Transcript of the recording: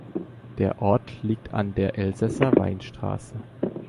Der Ort liegt an der Elsässer Weinstraße.